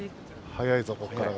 早いぞこっからが。